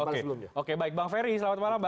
oke sebelumnya oke baik bang ferry selamat malam